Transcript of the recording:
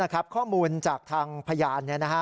นี่นะครับข้อมูลจากทางพยาน